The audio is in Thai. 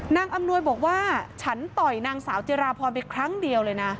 อำนวยบอกว่าฉันต่อยนางสาวจิราพรไปครั้งเดียวเลยนะ